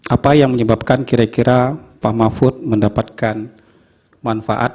apa yang menyebabkan kira kira pak mahfud mendapatkan manfaat